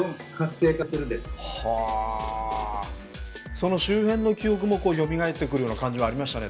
その周辺の記憶もよみがえってくるような感じはありましたね